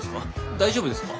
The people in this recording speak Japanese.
大丈夫ですか？